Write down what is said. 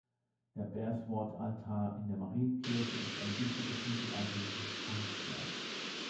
Der Berswordt-Altar in der Marienkirche ist ein wichtiges mittelalterliches Kunstwerk.